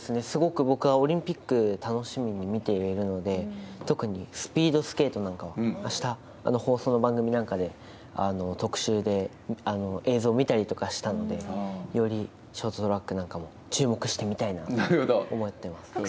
すごく僕はオリンピック楽しみに見ているので、特にスピードスケートなんかは、あした放送の番組なんかで、特集で映像を見たりとかしたので、よりショートトラックなんかも注目してみたいなと思います。